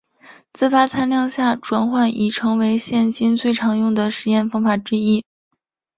自发参量下转换已成为现今最常用的实验方法之一。